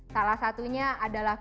salah satunya adalah